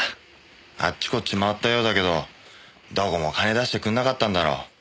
あっちこっち回ったようだけどどこも金出してくんなかったんだろう。